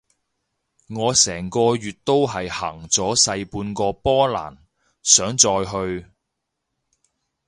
我成個月都係行咗細半個波蘭，想再去